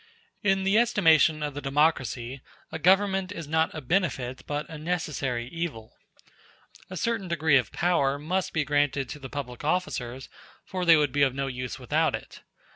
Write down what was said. In the estimation of the democracy a government is not a benefit, but a necessary evil. A certain degree of power must be granted to public officers, for they would be of no use without it.